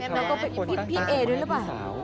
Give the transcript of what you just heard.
แล้วก็พี่เอ๊ดด้วยหรือเปล่า